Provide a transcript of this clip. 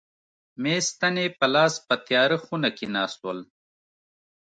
مې ستنې په لاس په تیاره خونه کې ناست ول.